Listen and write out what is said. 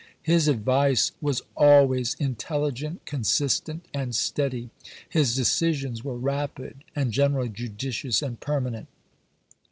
His advice was always intelligent, consistent, and steady; his decisions were rapid and generally judicious and permanent.